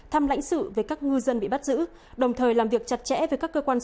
thăm lãnh sự về các ngư dân bị bắt giữ đồng thời làm việc chặt chẽ với các cơ quan